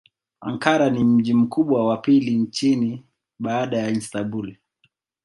Ankara ni mji mkubwa wa pili nchini baada ya Istanbul.